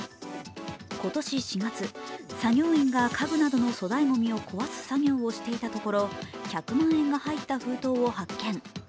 今年４月、作業員が家具などの粗大ごみを壊す作業をしていたところ１００万円が入った封筒を発見。